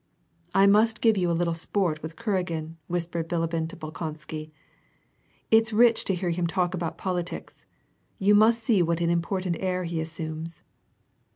"I must give you a little sport with Kuragin," whispered Bilibin to Bolkonsky. "It's rich to hear him talk about politics ! YoTi must see what an important air he assumes."